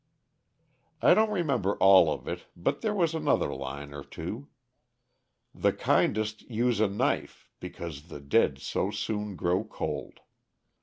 "I don't remember all of it, but there was another line or two: "The kindest use a knife, because The dead so soon grow cold.